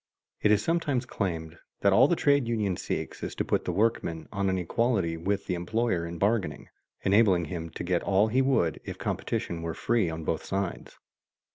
It is sometimes claimed that all the trade union seeks is to put the workman on an equality with the employer in bargaining, enabling him to get all he would if competition were free on both sides.